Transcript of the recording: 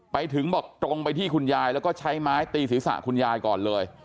ไปถึงบอกตรงไปที่คุณยายแล้วก็ใช้ไม้ตีศีรษะคุณยายก่อนเลย